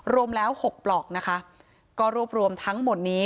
รวมแล้ว๖ปลอกนะคะก็รวบรวมทั้งหมดนี้